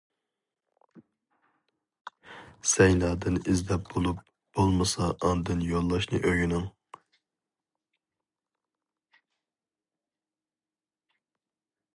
سەينادىن ئىزدەپ بولۇپ بولمىسا ئاندىن يوللاشنى ئۆگىنىڭ!